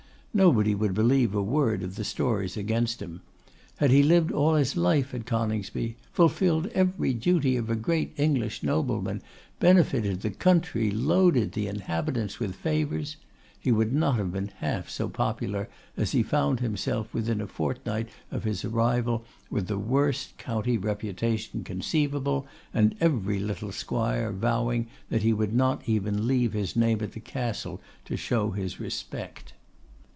Nobody would believe a word of the stories against him. Had he lived all his life at Coningsby, fulfilled every duty of a great English nobleman, benefited the county, loaded the inhabitants with favours, he would not have been half so popular as he found himself within a fortnight of his arrival with the worst county reputation conceivable, and every little squire vowing that he would not even leave his name at the Castle to show his respect.